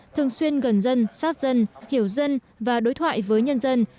thường xuyên gần dân sát dân hiểu dân và đối thoại với nhân dân